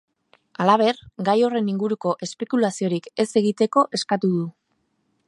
Halaber, gai horren inguruko espekulaziorik ez egiteko eskatu du.